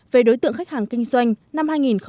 về đối tượng khách hàng kinh doanh